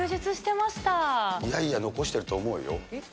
いやいや、残してると思うよ。